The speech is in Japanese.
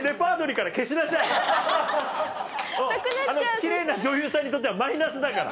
奇麗な女優さんにとってはマイナスだから。